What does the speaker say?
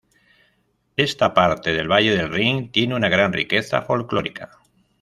Esta parte del valle del Rin tiene una gran riqueza folclórica.